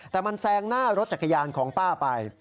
แต่มันแซงหน้ารถจักรยานของป้าไป